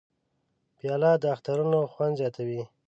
پیاله د اخترونو خوند زیاتوي.